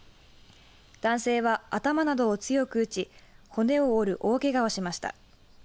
男性は頭などを強く打ち骨を折る大けがをしました。